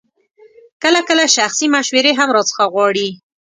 کله کله شخصي مشورې هم راڅخه غواړي.